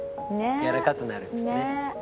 やわらかくなるんですよね。